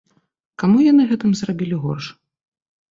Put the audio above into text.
Каму яны гэтым зрабілі горш?